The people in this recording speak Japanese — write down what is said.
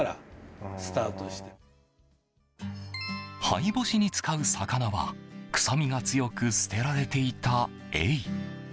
灰干しに使う魚は臭みが強く捨てられていたエイ。